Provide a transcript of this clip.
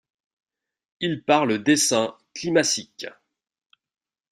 Il parle d'essaim climacique.